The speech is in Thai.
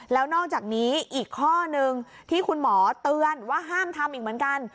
แล้วนอกจากนี้อีกข้อนึงที่คุณหมอเตือนว่าห้ามทำอีกเหมือนกัน